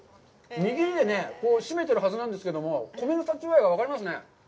握りで締めてるはずなんですけど、米の立ち具合が分かりますね！